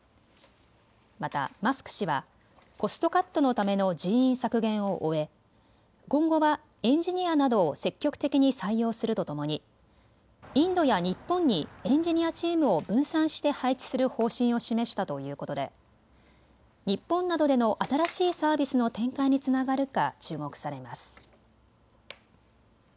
またマスク氏はコストカットのための人員削減を終え今後はエンジニアなどを積極的に採用するとともにインドや日本にエンジニアチームを分散して配置する方針を示したということで日本などでの新しいサービスの展開につながるか注目されます。